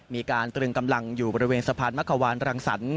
ตรึงกำลังอยู่บริเวณสะพานมะขวานรังสรรค